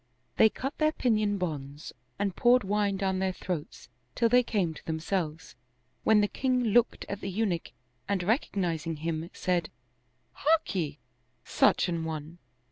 They cut their pinion bonds and poured wine down their throats, till they came to themselves, when the king looked at the Eunuch and recognizing him, said, "Harkye, Such an one!"